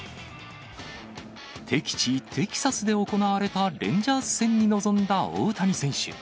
敵地、テキサスで行われたレンジャーズ戦に臨んだ大谷選手。